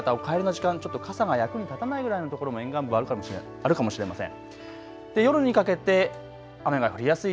夕方お帰りの時間、ちょっと傘が役に立たないぐらいのところ沿岸部、あるかもしれません。